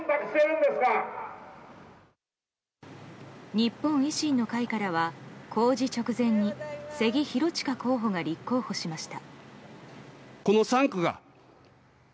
日本維新の会からは公示直前に瀬木寛親候補が立候補しました。